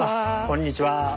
こんにちは。